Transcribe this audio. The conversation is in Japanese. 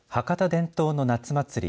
伝統の夏祭り